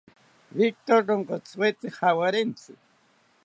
Victori ronkotziwetzi jawarintzi